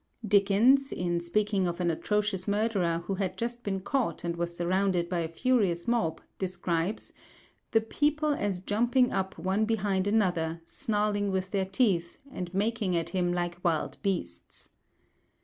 Dickens, in speaking of an atrocious murderer who had just been caught, and was surrounded by a furious mob, describes "the people as jumping up one behind another, snarling with their teeth, and making at him like wild beasts."